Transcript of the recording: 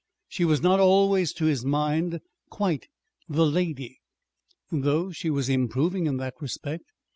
She was not always, to his mind, quite the lady, though she was improving in that respect.